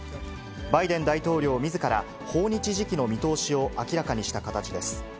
バイデン大統領みずから、訪日時期の見通しを明らかにした形です。